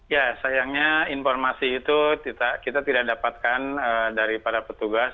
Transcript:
ya sayangnya informasi itu kita tidak dapatkan dari para petugas